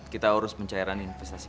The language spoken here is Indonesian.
kita urus pencairan investasi